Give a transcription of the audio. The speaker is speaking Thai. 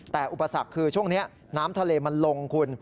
แต่อุปสรรคคือช่วงนี้น้ำทะเลมันลงคุณ